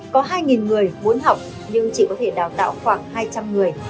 có hai người muốn học nhưng chỉ có thể đào tạo khoảng hai trăm linh người